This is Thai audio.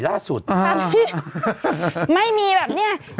หายไม่มีแบบเนี้ยนี่เคลียร์